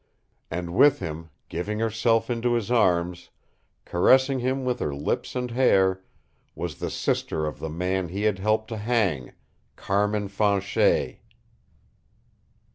And with him, giving herself into his arms, caressing him with her lips and hair, was the sister of the man he had helped to hang CARMIN FANCHET!